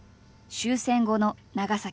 終戦後の長崎。